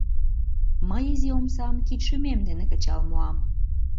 Мый изи омсам кид шӱмем дене кычал муам.